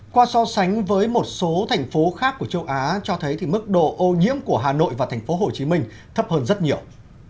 qua so sánh với một số thành phố khác của châu á cho thấy mức độ ô nhiễm của hà nội và thành phố hồ chí minh thấp hơn rất nhiều